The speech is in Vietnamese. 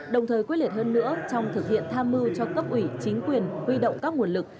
đồng thời quyết liệt hơn nữa trong thực hiện tham mưu cho cấp ủy chính quyền huy động các nguồn lực